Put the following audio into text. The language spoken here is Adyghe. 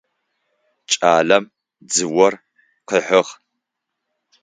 Кӏалэм дзыор къыхьыгъ.